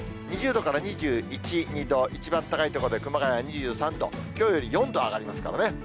２０度から２１、２度、一番高い所で熊谷２３度、きょうより４度上がりますからね。